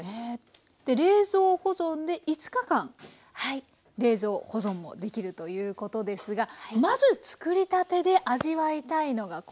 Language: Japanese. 冷蔵保存で５日間冷蔵保存もできるということですがまず作りたてで味わいたいのがこちらのお料理ですね。